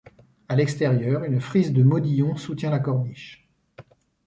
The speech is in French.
À l’extérieur, une frise de modillons soutient la corniche.